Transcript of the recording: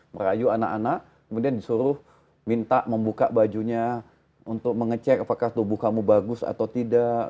merayu anak anak kemudian disuruh minta membuka bajunya untuk mengecek apakah tubuh kamu bagus atau tidak